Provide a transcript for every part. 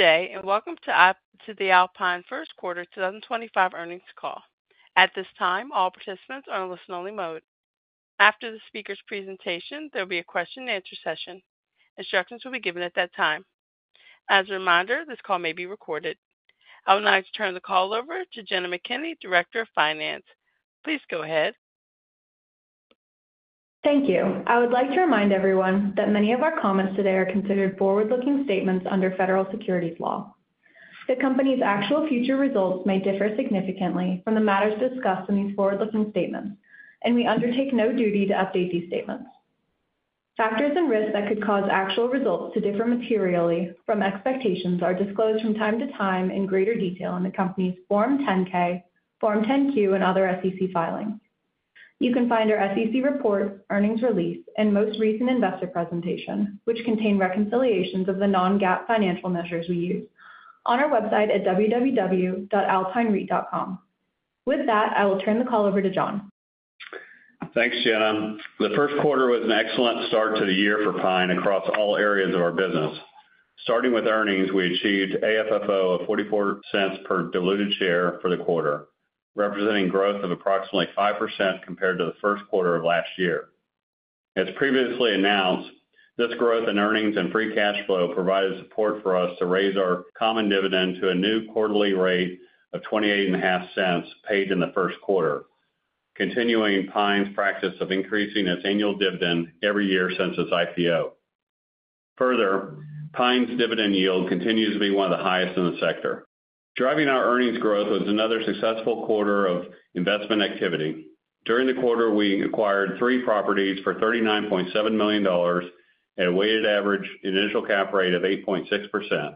Good day and welcome to the Alpine First Quarter 2025 Earnings Call. At this time, all participants are in listen-only mode. After the speaker's presentation, there will be a question-and-answer session. Instructions will be given at that time. As a reminder, this call may be recorded. I would now like to turn the call over to Jenna McKinney, Director of Finance. Please go ahead. Thank you. I would like to remind everyone that many of our comments today are considered forward-looking statements under federal securities law. The company's actual future results may differ significantly from the matters discussed in these forward-looking statements, and we undertake no duty to update these statements. Factors and risks that could cause actual results to differ materially from expectations are disclosed from time to time in greater detail in the company's Form 10-K, Form 10-Q, and other SEC filings. You can find our SEC report, earnings release, and most recent investor presentation, which contain reconciliations of the non-GAAP financial measures we use, on our website at www.alpinereit.com. With that, I will turn the call over to John. Thanks, Jenna. The first quarter was an excellent start to the year for Pine across all areas of our business. Starting with earnings, we achieved AFFO of $0.44 per diluted share for the quarter, representing growth of approximately 5% compared to the first quarter of last year. As previously announced, this growth in earnings and free cash flow provided support for us to raise our common dividend to a new quarterly rate of $0.28 paid in the first quarter, continuing Pine's practice of increasing its annual dividend every year since its IPO. Further, Pine's dividend yield continues to be one of the highest in the sector. Driving our earnings growth was another successful quarter of investment activity. During the quarter, we acquired three properties for $39.7 million at a weighted average initial cap rate of 8.6%.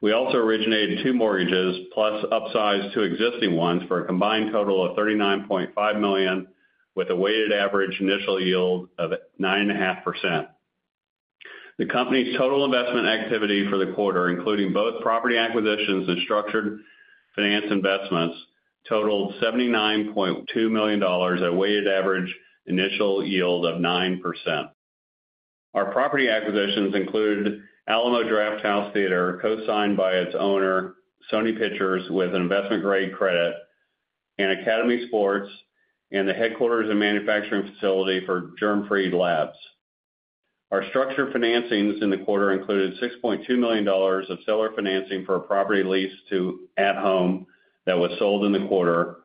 We also originated two mortgages plus upsized two existing ones for a combined total of $39.5 million, with a weighted average initial yield of 9.5%. The company's total investment activity for the quarter, including both property acquisitions and structured finance investments, totaled $79.2 million at a weighted average initial yield of 9%. Our property acquisitions included Alamo Drafthouse Theater, co-signed by its owner, Sony Pictures, with an investment-grade credit, and Academy Sports, and the headquarters and manufacturing facility for Germfree Labs. Our structured financings in the quarter included $6.2 million of seller financing for a property leased to At Home that was sold in the quarter,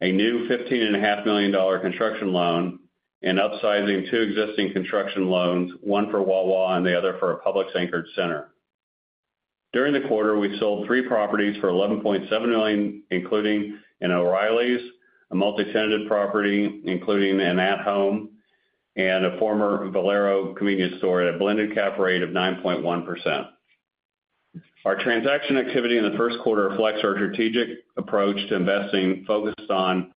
a new $15.5 million construction loan, and upsizing two existing construction loans, one for Wawa and the other for a Publix-anchored center. During the quarter, we sold three properties for $11.7 million, including an O'Reilly Auto Parts, a multi-tenanted property, including an At Home, and a former Valero convenience store at a blended cap rate of 9.1%. Our transaction activity in the first quarter flexed our strategic approach to investing, focused on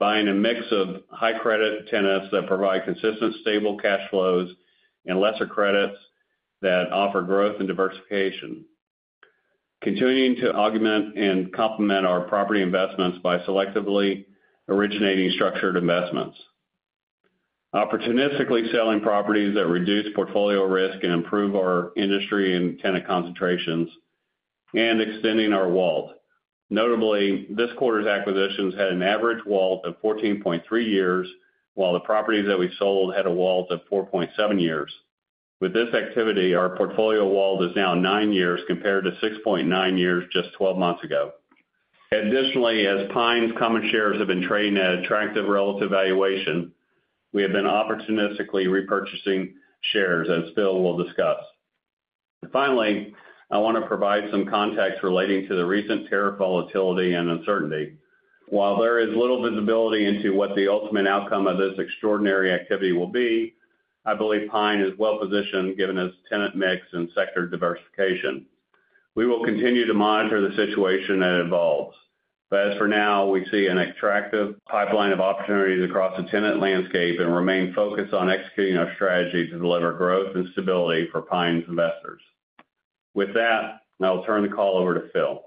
buying a mix of high-credit tenants that provide consistent, stable cash flows and lesser credits that offer growth and diversification, continuing to augment and complement our property investments by selectively originating structured investments, opportunistically selling properties that reduce portfolio risk and improve our industry and tenant concentrations, and extending our wallet. Notably, this quarter's acquisitions had an average wallet of 14.3 years, while the properties that we sold had a wallet of 4.7 years. With this activity, our portfolio wallet is now 9 years compared to 6.9 years just 12 months ago. Additionally, as Pine's common shares have been trading at attractive relative valuation, we have been opportunistically repurchasing shares as Phil will discuss. Finally, I want to provide some context relating to the recent tariff volatility and uncertainty. While there is little visibility into what the ultimate outcome of this extraordinary activity will be, I believe Pine is well-positioned given its tenant mix and sector diversification. We will continue to monitor the situation that evolves. As for now, we see an attractive pipeline of opportunities across the tenant landscape and remain focused on executing our strategy to deliver growth and stability for Pine's investors. With that, I will turn the call over to Phil.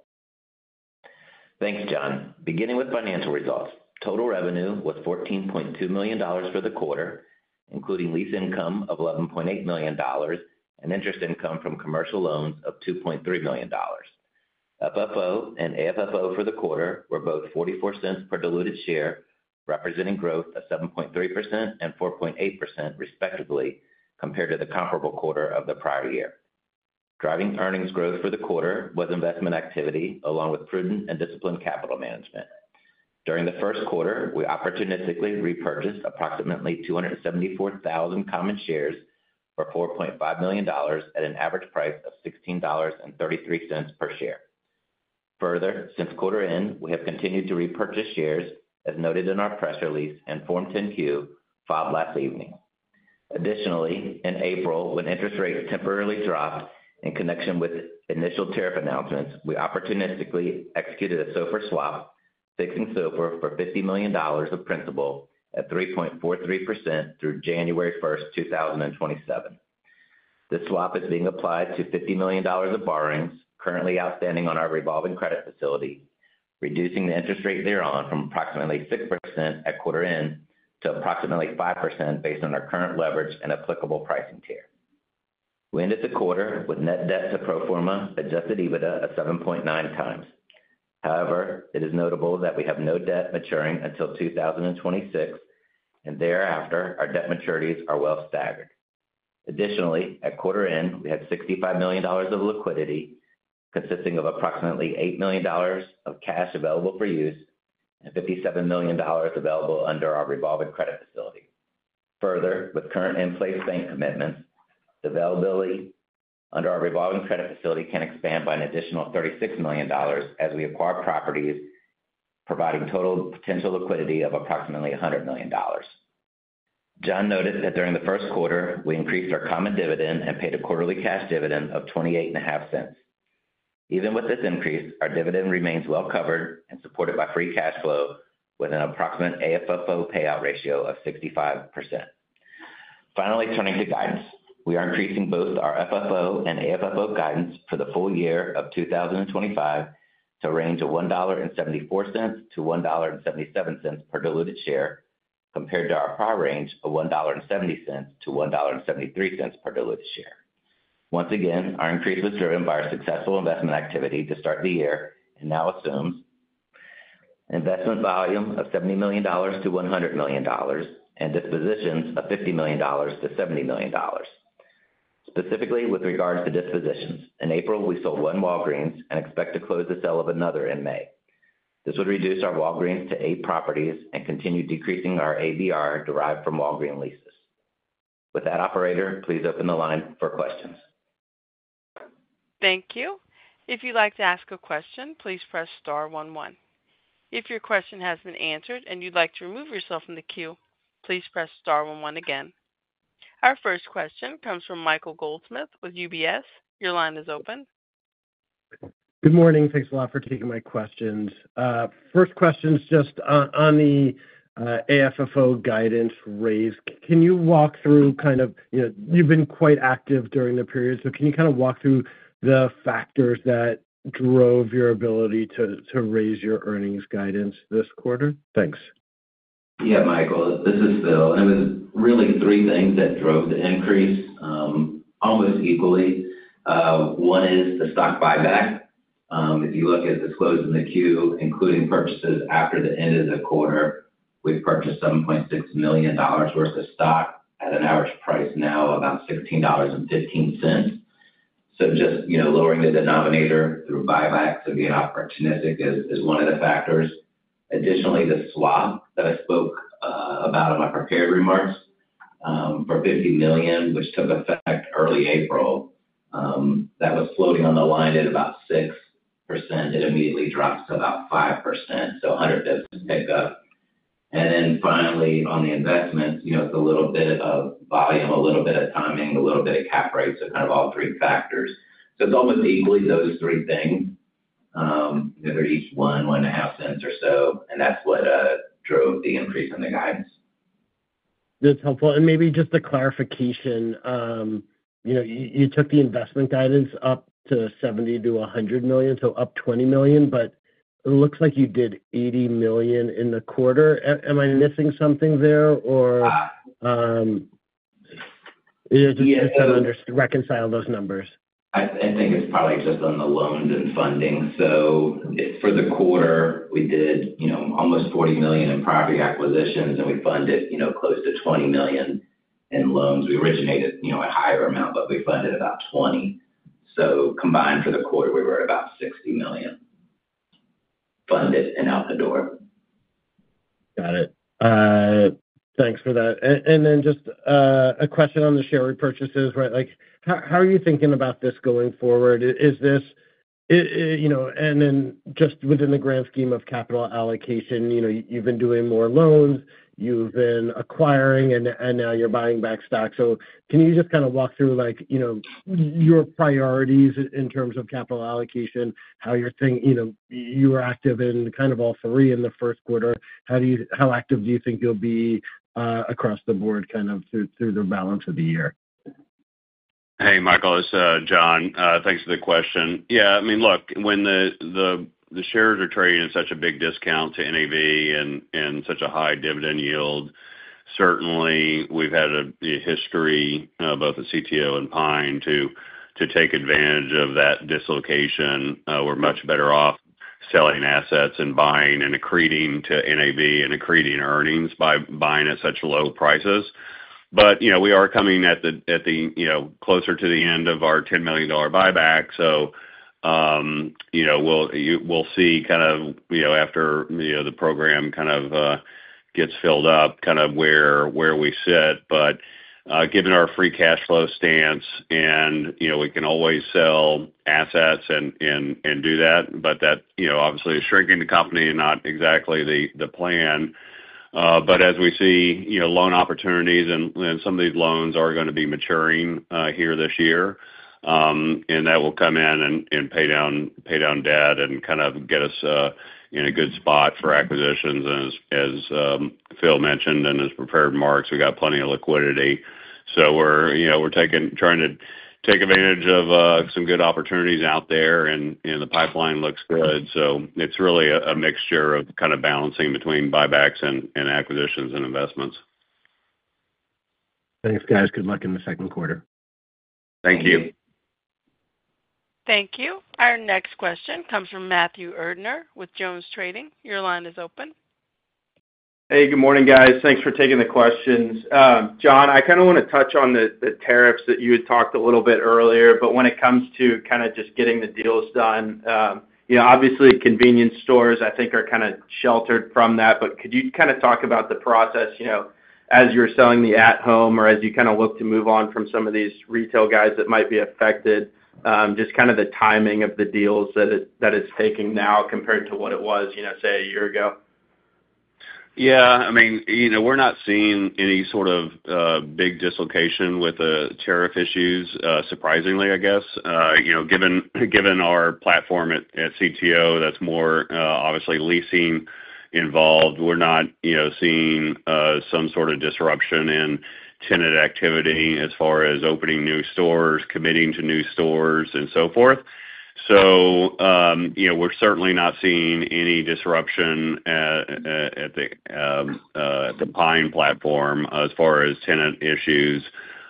Thanks, John. Beginning with financial results, total revenue was $14.2 million for the quarter, including lease income of $11.8 million and interest income from commercial loans of $2.3 million. FFO and AFFO for the quarter were both $0.44 per diluted share, representing growth of 7.3% and 4.8% respectively compared to the comparable quarter of the prior year. Driving earnings growth for the quarter was investment activity along with prudent and disciplined capital management. During the first quarter, we opportunistically repurchased approximately 274,000 common shares for $4.5 million at an average price of $16.33 per share. Further, since quarter end, we have continued to repurchase shares as noted in our press release and Form 10-Q filed last evening. Additionally, in April, when interest rates temporarily dropped in connection with initial tariff announcements, we opportunistically executed a SOFR swap, fixing SOFR for $50 million of principal at 3.43% through January 1st, 2027. This swap is being applied to $50 million of borrowings currently outstanding on our revolving credit facility, reducing the interest rate thereon from approximately 6% at quarter end to approximately 5% based on our current leverage and applicable pricing tier. We ended the quarter with net debt to pro forma adjusted EBITDA of 7.9 times. However, it is notable that we have no debt maturing until 2026, and thereafter, our debt maturities are well staggered. Additionally, at quarter end, we had $65 million of liquidity consisting of approximately $8 million of cash available for use and $57 million available under our revolving credit facility. Further, with current in-place bank commitments, the availability under our revolving credit facility can expand by an additional $36 million as we acquire properties, providing total potential liquidity of approximately $100 million. John noted that during the first quarter, we increased our common dividend and paid a quarterly cash dividend of $0.28. Even with this increase, our dividend remains well covered and supported by free cash flow with an approximate AFFO payout ratio of 65%. Finally, turning to guidance, we are increasing both our FFO and AFFO guidance for the full year of 2025 to a range of $1.74-$1.77 per diluted share compared to our prior range of $1.70-$1.73 per diluted share. Once again, our increase was driven by our successful investment activity to start the year and now assumes an investment volume of $70 million-$100 million and dispositions of $50 million-$70 million. Specifically, with regards to dispositions, in April, we sold one Walgreens and expect to close the sale of another in May. This would reduce our Walgreens to eight properties and continue decreasing our ABR derived from Walgreens' leases. With that, Operator, please open the line for questions. Thank you. If you'd like to ask a question, please press star one one. If your question has been answered and you'd like to remove yourself from the queue, please press star one one again. Our first question comes from Michael Goldsmith with UBS. Your line is open. Good morning. Thanks a lot for taking my questions. First question is just on the AFFO guidance raise. Can you walk through kind of, you know, you've been quite active during the period, so can you kind of walk through the factors that drove your ability to raise your earnings guidance this quarter? Thanks. Yeah, Michael, this is Phil. It was really three things that drove the increase almost equally. One is the stock buyback. If you look at disclosed in the queue, including purchases after the end of the quarter, we've purchased $7.6 million worth of stock at an average price now of about $16.15. Just, you know, lowering the denominator through buybacks and being opportunistic is one of the factors. Additionally, the swap that I spoke about in my prepared remarks for $50 million, which took effect early April, that was floating on the line at about 6%. It immediately dropped to about 5%, so 100 basis points pickup. Finally, on the investments, you know, it's a little bit of volume, a little bit of timing, a little bit of cap rate, so kind of all three factors. It's almost equally those three things. They're each $0.015 or so, and that's what drove the increase in the guidance. That's helpful. Maybe just a clarification, you know, you took the investment guidance up to $70 million-$100 million, so up $20 million, but it looks like you did $80 million in the quarter. Am I missing something there, or is it just to reconcile those numbers? I think it's probably just on the loans and funding. For the quarter, we did, you know, almost $40 million in property acquisitions, and we funded, you know, close to $20 million in loans. We originated, you know, a higher amount, but we funded about $20. Combined for the quarter, we were at about $60 million funded and out the door. Got it. Thanks for that. Just a question on the share repurchases, right? How are you thinking about this going forward? Is this, you know, and just within the grand scheme of capital allocation, you know, you've been doing more loans, you've been acquiring, and now you're buying back stock. Can you just kind of walk through, like, you know, your priorities in terms of capital allocation, how you're thinking, you know, you were active in kind of all three in the first quarter. How active do you think you'll be across the board kind of through the balance of the year? Hey, Michael, this is John. Thanks for the question. Yeah, I mean, look, when the shares are trading at such a big discount to NAV and such a high dividend yield, certainly we've had a history of both the CTO and Pine to take advantage of that dislocation. We're much better off selling assets and buying and accreting to NAV and accreting earnings by buying at such low prices. You know, we are coming at the, you know, closer to the end of our $10 million buyback. You know, we'll see kind of, you know, after, you know, the program kind of gets filled up, kind of where we sit. Given our free cash flow stance, and, you know, we can always sell assets and do that, but that, you know, obviously is shrinking the company and not exactly the plan. As we see, you know, loan opportunities and some of these loans are going to be maturing here this year, and that will come in and pay down debt and kind of get us in a good spot for acquisitions. As Phil mentioned and as prepared remarks, we've got plenty of liquidity. So we're, you know, we're taking, trying to take advantage of some good opportunities out there, and the pipeline looks good. It's really a mixture of kind of balancing between buybacks and acquisitions and investments. Thanks, guys. Good luck in the second quarter. Thank you. Thank you. Our next question comes from Matthew Erdner with Jones Trading. Your line is open. Hey, good morning, guys. Thanks for taking the questions. John, I kind of want to touch on the tariffs that you had talked a little bit earlier, but when it comes to kind of just getting the deals done, you know, obviously convenience stores, I think, are kind of sheltered from that. Could you kind of talk about the process, you know, as you're selling the At Home or as you kind of look to move on from some of these retail guys that might be affected, just kind of the timing of the deals that it's taking now compared to what it was, you know, say, a year ago? Yeah. I mean, you know, we're not seeing any sort of big dislocation with the tariff issues, surprisingly, I guess. You know, given our platform at CTO, that's more obviously leasing involved, we're not, you know, seeing some sort of disruption in tenant activity as far as opening new stores, committing to new stores, and so forth. You know, we're certainly not seeing any disruption at the Pine platform as far as tenant issues.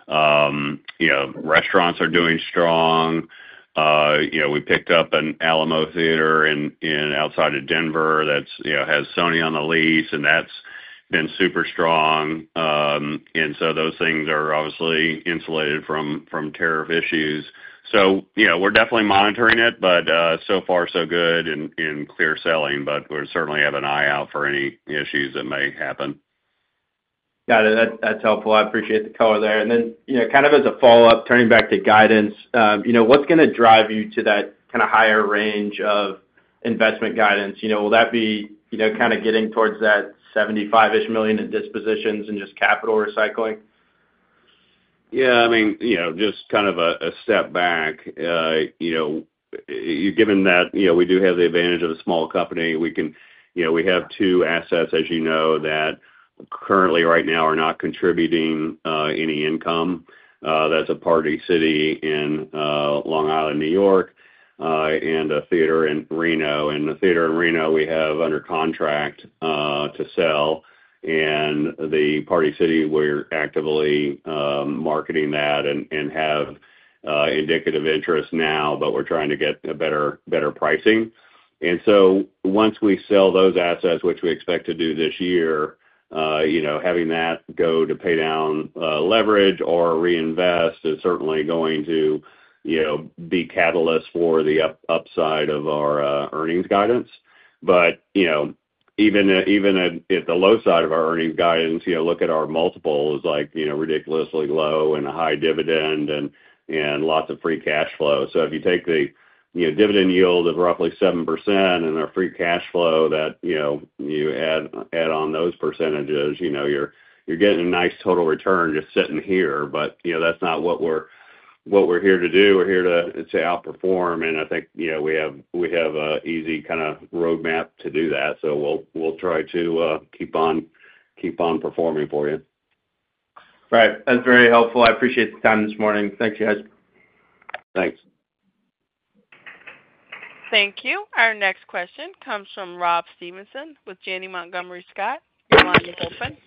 You know, restaurants are doing strong. You know, we picked up an Alamo Drafthouse Theater outside of Denver that's, you know, has Sony on the lease, and that's been super strong. Those things are obviously insulated from tariff issues. You know, we're definitely monitoring it, but so far, so good and clear selling, but we certainly have an eye out for any issues that may happen. Got it. That's helpful. I appreciate the color there. You know, kind of as a follow-up, turning back to guidance, you know, what's going to drive you to that kind of higher range of investment guidance? You know, will that be, you know, kind of getting towards that $75-ish million in dispositions and just capital recycling? Yeah. I mean, you know, just kind of a step back, you know, given that, you know, we do have the advantage of a small company. We can, you know, we have two assets, as you know, that currently right now are not contributing any income. That's a Party City in Long Island, N.Y., and a theater in Reno. The theater in Reno, we have under contract to sell. The Party City, we're actively marketing that and have indicative interest now, but we're trying to get better pricing. Once we sell those assets, which we expect to do this year, you know, having that go to pay down leverage or reinvest is certainly going to, you know, be catalyst for the upside of our earnings guidance. You know, even at the low side of our earnings guidance, you know, look at our multiple is like, you know, ridiculously low and a high dividend and lots of free cash flow. If you take the, you know, dividend yield of roughly 7% and our free cash flow that, you know, you add on those percentages, you know, you're getting a nice total return just sitting here. You know, that's not what we're here to do. We're here to outperform. I think, you know, we have an easy kind of roadmap to do that. We'll try to keep on performing for you. All right. That's very helpful. I appreciate the time this morning. Thanks, guys. Thanks. Thank you. Our next question comes from Rob Stevenson with Janney Montgomery Scott. Your line is open.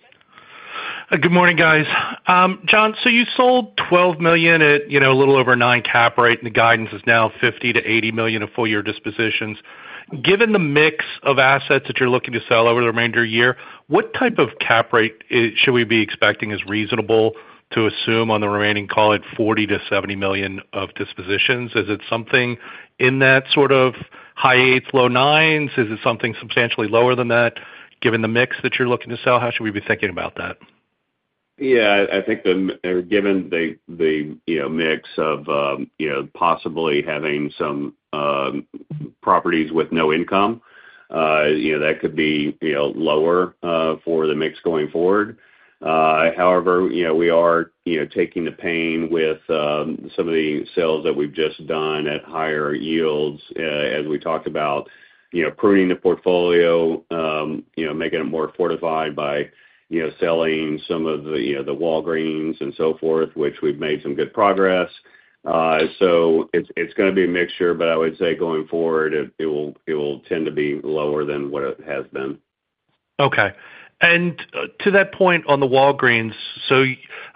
Good morning, guys. John, so you sold $12 million at, you know, a little over nine cap rate, and the guidance is now $50 million-$80 million of full year dispositions. Given the mix of assets that you're looking to sell over the remainder of the year, what type of cap rate should we be expecting is reasonable to assume on the remaining call at $40 million-$70 million of dispositions? Is it something in that sort of high eights, low nines? Is it something substantially lower than that? Given the mix that you're looking to sell, how should we be thinking about that? Yeah. I think given the, you know, mix of, you know, possibly having some properties with no income, you know, that could be, you know, lower for the mix going forward. However, you know, we are, you know, taking the pain with some of the sales that we've just done at higher yields as we talked about, you know, pruning the portfolio, you know, making it more fortified by, you know, selling some of the, you know, the Walgreens and so forth, which we've made some good progress. It is going to be a mixture, but I would say going forward, it will tend to be lower than what it has been. Okay. To that point on the Walgreens,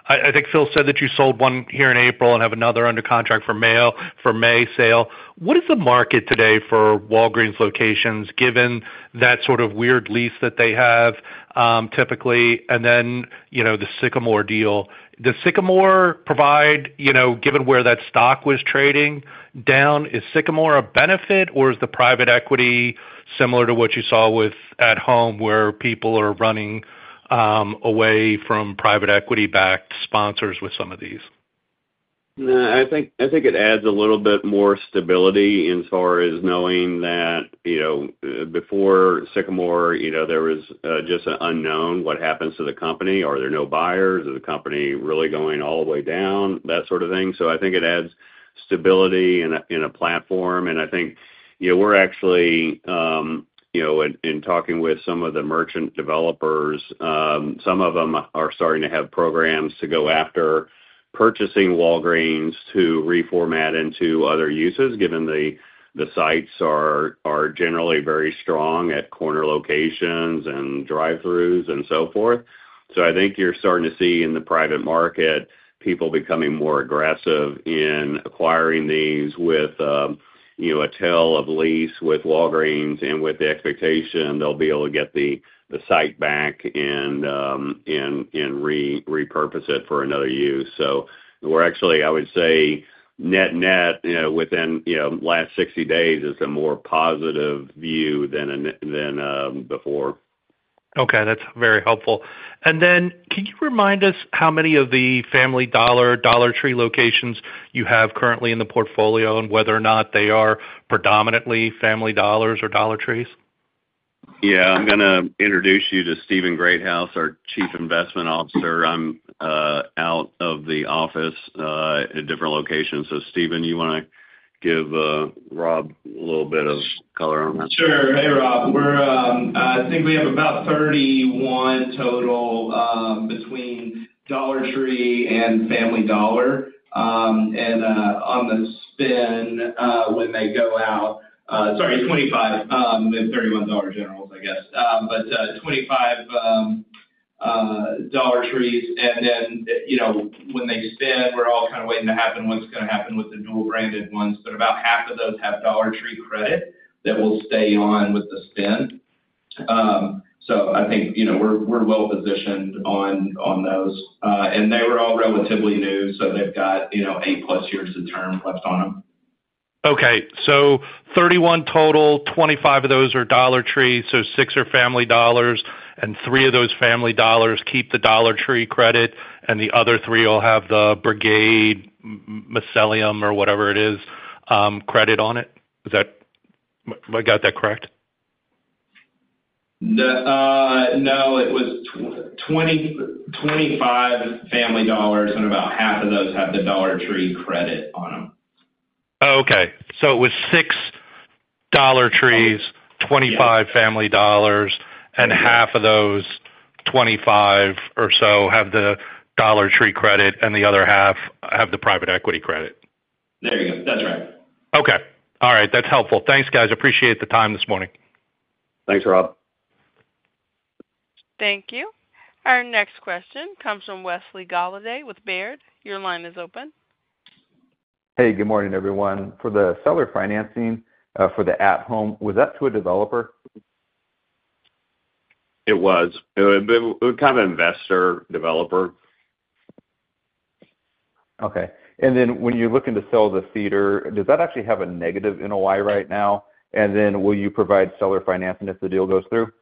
I think Phil said that you sold one here in April and have another under contract for May sale. What is the market today for Walgreens locations given that sort of weird lease that they have typically? You know, the Sycamore deal. Does Sycamore provide, you know, given where that stock was trading down, is Sycamore a benefit or is the private equity similar to what you saw with At Home where people are running away from private equity-backed sponsors with some of these? I think it adds a little bit more stability in far as knowing that, you know, before Sycamore, you know, there was just an unknown, what happens to the company? Are there no buyers? Is the company really going all the way down? That sort of thing. I think it adds stability in a platform. I think, you know, we're actually, you know, in talking with some of the merchant developers, some of them are starting to have programs to go after purchasing Walgreens to reformat into other uses given the sites are generally very strong at corner locations and drive-throughs and so forth. I think you're starting to see in the private market people becoming more aggressive in acquiring these with, you know, a tail of lease with Walgreens and with the expectation they'll be able to get the site back and repurpose it for another use. We're actually, I would say, net net, you know, within, you know, last 60 days is a more positive view than before. Okay. That's very helpful. Can you remind us how many of the Family Dollar, Dollar Tree locations you have currently in the portfolio and whether or not they are predominantly Family Dollars or Dollar Trees? Yeah. I'm going to introduce you to Steven Greathouse, our Chief Investment Officer. I'm out of the office at different locations. Steven, you want to give Rob a little bit of color on that? Sure. Hey, Rob. I think we have about 31 total between Dollar Tree and Family Dollar. On the spin, when they go out, sorry, 25 and 31 Dollar generals, I guess, but 25 Dollar Trees. You know, when they spin, we're all kind of waiting to happen what's going to happen with the dual-branded ones. About half of those have Dollar Tree credit that will stay on with the spin. I think, you know, we're well positioned on those. They were all relatively new, so they've got, you know, eight-plus years of term left on them. Okay. So 31 total, 25 of those are Dollar Tree, so six are Family Dollars, and three of those Family Dollars keep the Dollar Tree credit, and the other three will have the Brigade Macellum credit on it. Is that, I got that correct? No, it was 25 Family Dollars, and about half of those have the Dollar Tree credit on them. Okay. It was six Dollar Trees, 25 Family Dollars, and half of those 25 or so have the Dollar Tree credit, and the other half have the private equity credit. There you go. That's right. Okay. All right. That's helpful. Thanks, guys. Appreciate the time this morning. Thanks, Rob. Thank you. Our next question comes from Wesley Golladay with Baird. Your line is open. Hey, good morning, everyone. For the seller financing for the At Home, was that to a developer? It was. It was kind of investor developer. Okay. When you're looking to sell the theater, does that actually have a negative NOI right now? Will you provide seller financing if the deal goes through?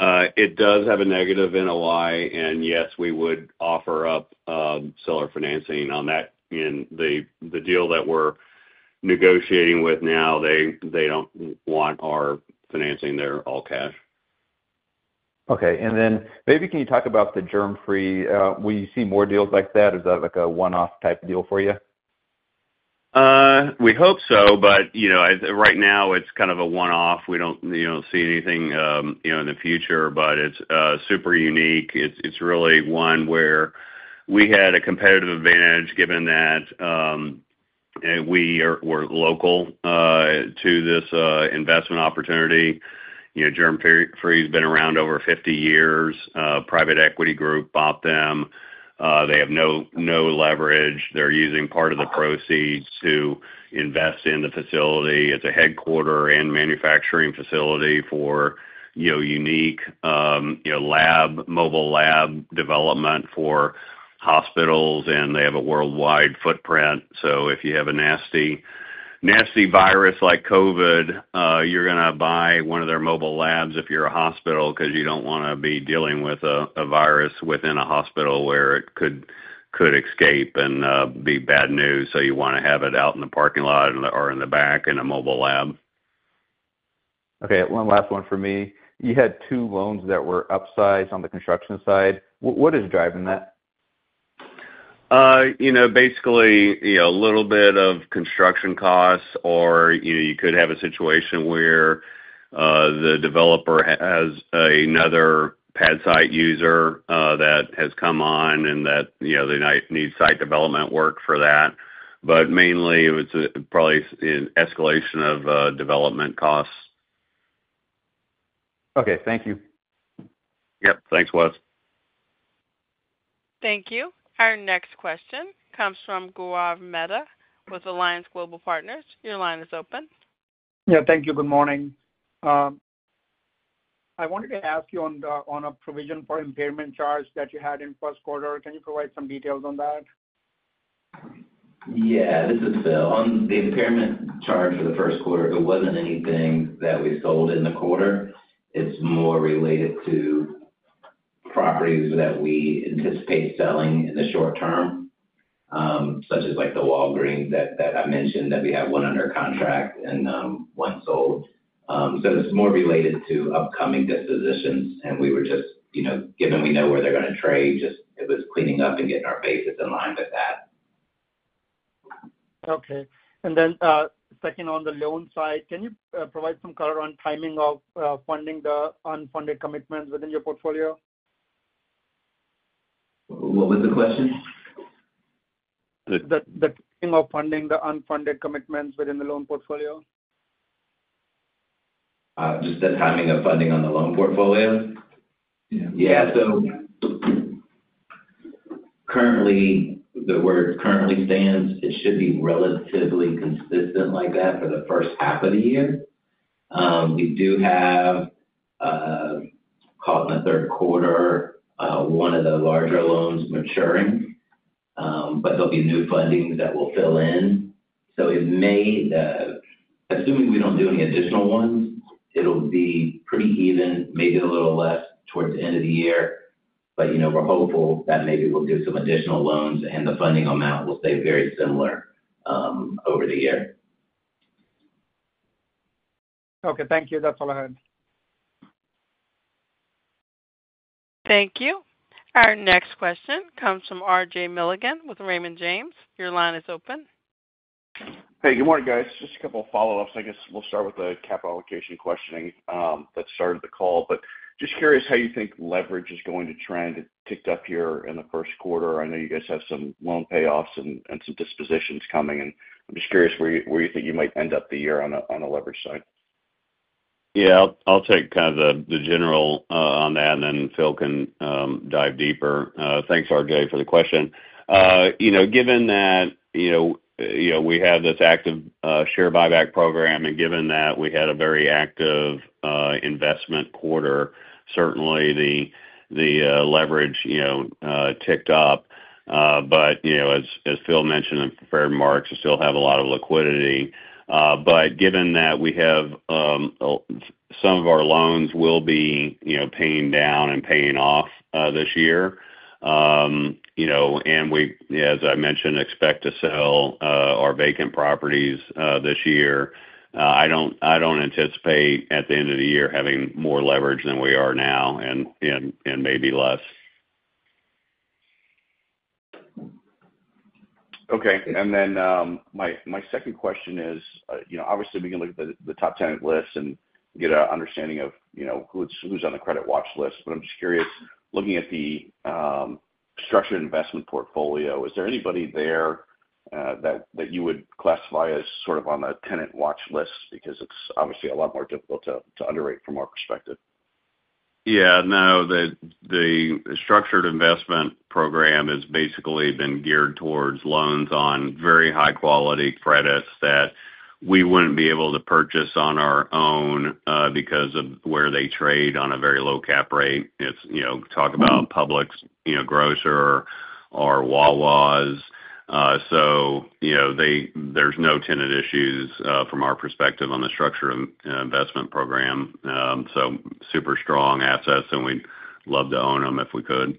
It does have a negative NOI, and yes, we would offer up seller financing on that. The deal that we're negotiating with now, they do not want our financing; they're all cash. Okay. Can you talk about the Germfree? Will you see more deals like that? Is that like a one-off type deal for you? We hope so, but, you know, right now it's kind of a one-off. We don't see anything, you know, in the future, but it's super unique. It's really one where we had a competitive advantage given that we were local to this investment opportunity. You know, Germfree Labs has been around over 50 years. Private equity group bought them. They have no leverage. They're using part of the proceeds to invest in the facility. It's a headquarter and manufacturing facility for, you know, unique, you know, lab, mobile lab development for hospitals, and they have a worldwide footprint. If you have a nasty virus like COVID, you're going to buy one of their mobile labs if you're a hospital because you don't want to be dealing with a virus within a hospital where it could escape and be bad news. You want to have it out in the parking lot or in the back in a mobile lab. Okay. One last one for me. You had two loans that were upsized on the construction side. What is driving that? You know, basically, you know, a little bit of construction costs or, you know, you could have a situation where the developer has another pad site user that has come on and that, you know, they might need site development work for that. Mainly, it was probably an escalation of development costs. Okay. Thank you. Yep. Thanks, Wes. Thank you. Our next question comes from Gaurav Mehta with Alliance Global Partners. Your line is open. Yeah. Thank you. Good morning. I wanted to ask you on a provision for impairment charge that you had in first quarter. Can you provide some details on that? Yeah. This is Phil. On the impairment charge for the first quarter, it was not anything that we sold in the quarter. It is more related to properties that we anticipate selling in the short term, such as like the Walgreens that I mentioned that we have one under contract and one sold. It is more related to upcoming dispositions. We were just, you know, given we know where they are going to trade, just it was cleaning up and getting our bases in line with that. Okay. And then second on the loan side, can you provide some color on timing of funding the unfunded commitments within your portfolio? What was the question? The timing of funding the unfunded commitments within the loan portfolio. Just the timing of funding on the loan portfolio? Yeah. Yeah. Currently, the word currently stands, it should be relatively consistent like that for the first half of the year. We do have, call it the third quarter, one of the larger loans maturing, but there'll be new funding that will fill in. It may, assuming we don't do any additional ones, it'll be pretty even, maybe a little less towards the end of the year. You know, we're hopeful that maybe we'll do some additional loans and the funding amount will stay very similar over the year. Okay. Thank you. That's all I had. Thank you. Our next question comes from RJ Milligan with Raymond James. Your line is open. Hey, good morning, guys. Just a couple of follow-ups. I guess we'll start with the cap allocation questioning that started the call, but just curious how you think leverage is going to trend. It ticked up here in the first quarter. I know you guys have some loan payoffs and some dispositions coming, and I'm just curious where you think you might end up the year on the leverage side. Yeah. I'll take kind of the general on that, and then Phil can dive deeper. Thanks, RJ, for the question. You know, given that, you know, we have this active share buyback program, and given that we had a very active investment quarter, certainly the leverage, you know, ticked up. You know, as Phil mentioned, and fair marks, we still have a lot of liquidity. Given that we have some of our loans will be, you know, paying down and paying off this year, you know, and we, as I mentioned, expect to sell our vacant properties this year. I don't anticipate at the end of the year having more leverage than we are now and maybe less. Okay. Then my second question is, you know, obviously we can look at the top 10 list and get an understanding of, you know, who's on the credit watch list, but I'm just curious, looking at the structured investment portfolio, is there anybody there that you would classify as sort of on the tenant watch list because it's obviously a lot more difficult to underrate from our perspective? Yeah. No, the structured investment program has basically been geared towards loans on very high-quality credits that we wouldn't be able to purchase on our own because of where they trade on a very low cap rate. It's, you know, talk about Publix, you know, Grocer, or Wawa. You know, there's no tenant issues from our perspective on the structured investment program. Super strong assets, and we'd love to own them if we could.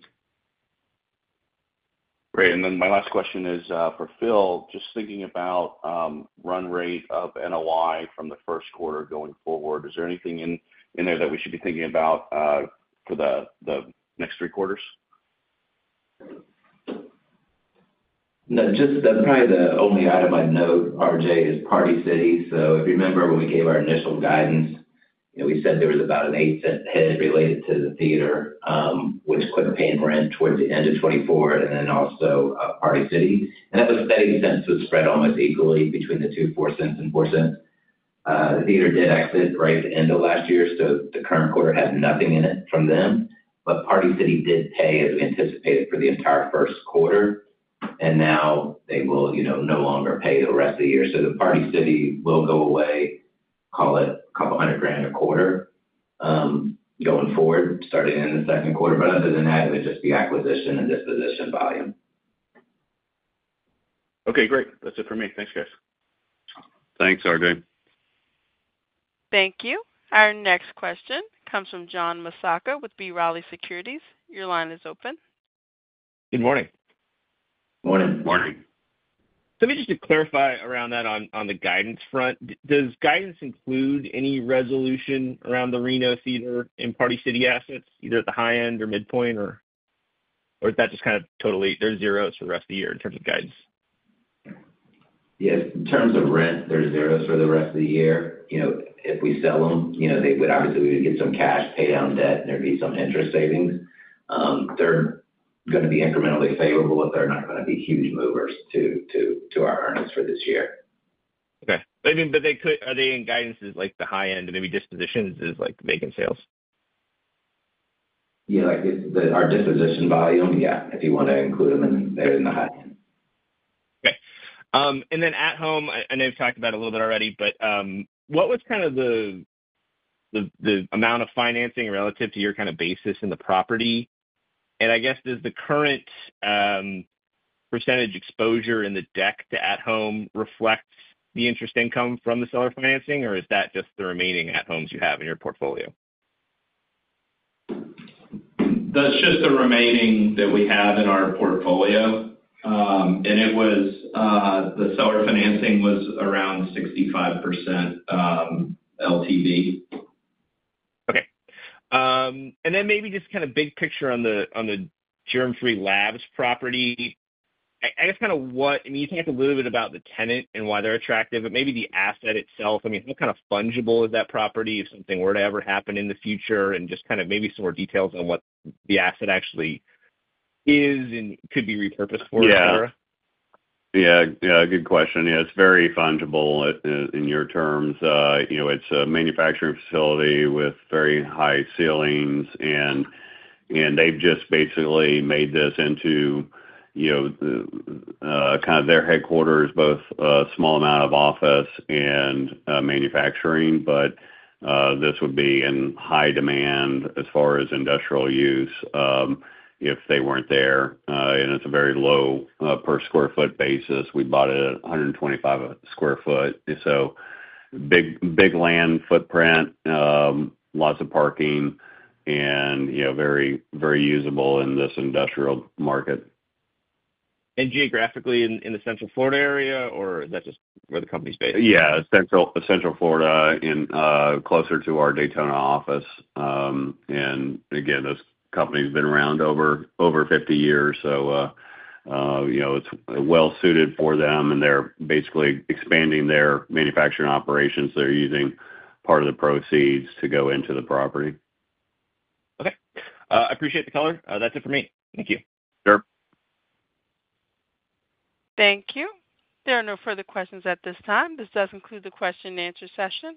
Great. My last question is for Phil, just thinking about run rate of NOI from the first quarter going forward, is there anything in there that we should be thinking about for the next three quarters? Just probably the only item I'd note, RJ, is Party City. If you remember when we gave our initial guidance, you know, we said there was about an eight-cent hit related to the theater, which quickly paid rent towards the end of 2024, and then also Party City. That was steady since it was spread almost equally between the two, four cents and four cents. The theater did exit right at the end of last year, so the current quarter had nothing in it from them. Party City did pay as we anticipated for the entire first quarter, and now they will, you know, no longer pay the rest of the year. The Party City will go away, call it a couple hundred grand a quarter going forward, starting in the second quarter. Other than that, it would just be acquisition and disposition volume. Okay. Great. That's it for me. Thanks, guys. Thanks, RJ. Thank you. Our next question comes from John Massocca with B. Riley Securities. Your line is open. Good morning. Morning. Morning. Maybe just to clarify around that on the guidance front, does guidance include any resolution around the Reno Theater and Party City assets, either at the high end or midpoint, or is that just kind of totally there's zeros for the rest of the year in terms of guidance? Yes. In terms of rent, there's zeros for the rest of the year. You know, if we sell them, you know, they would obviously get some cash, pay down debt, and there'd be some interest savings. They're going to be incrementally favorable if they're not going to be huge movers to our earnings for this year. Okay. Are they in guidance as like the high end, maybe dispositions as like vacant sales? Yeah. Like our disposition volume, yeah, if you want to include them, they're in the high end. Okay. At Home, I know we've talked about it a little bit already, but what was kind of the amount of financing relative to your kind of basis in the property? I guess, does the current % exposure in the deck to At Home reflect the interest income from the seller financing, or is that just the remaining At Homes you have in your portfolio? That's just the remaining that we have in our portfolio. It was the seller financing was around 65% LTV. Okay. And then maybe just kind of big picture on the Germfree Labs property, I guess kind of what, I mean, you talked a little bit about the tenant and why they're attractive, but maybe the asset itself, I mean, how kind of fungible is that property if something were to ever happen in the future, and just kind of maybe some more details on what the asset actually is and could be repurposed for? Yeah. Yeah. Yeah. Good question. Yeah. It's very fungible in your terms. You know, it's a manufacturing facility with very high ceilings, and they've just basically made this into, you know, kind of their headquarters, both a small amount of office and manufacturing. This would be in high demand as far as industrial use if they weren't there. It's a very low per square foot basis. We bought it at $125 of square foot. Big land footprint, lots of parking, and, you know, very, very usable in this industrial market. Geographically in the Central Florida area, or is that just where the company's based? Yeah. Central Florida and closer to our Daytona office. You know, this company's been around over 50 years. It's well-suited for them, and they're basically expanding their manufacturing operations. They're using part of the proceeds to go into the property. Okay. I appreciate the color. That's it for me. Thank you. Sure. Thank you. There are no further questions at this time. This does conclude the question-and-answer session.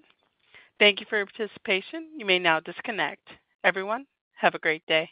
Thank you for your participation. You may now disconnect. Everyone, have a great day.